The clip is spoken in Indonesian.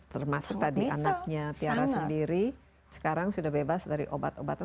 termasuk tadi anaknya tiara sendiri sekarang sudah bebas dari obat obatan